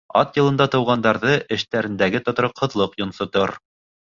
Ат йылында тыуғандарҙы эштәрендәге тотороҡһоҙлоҡ йонсотор.